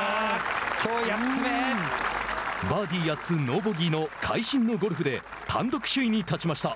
バーディー８つノーボギーの会心のゴルフで単独首位に立ちました。